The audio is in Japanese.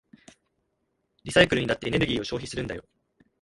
リサイクルにだってエネルギーを消費するんだよ。